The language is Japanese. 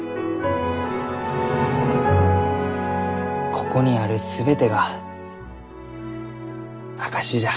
ここにある全てが証しじゃ。